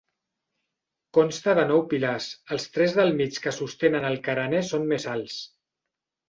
Consta de nou pilars, els tres del mig que sostenen el carener són més alts.